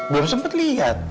belum sempet liat